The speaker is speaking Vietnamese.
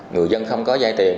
người dân không có vai tiền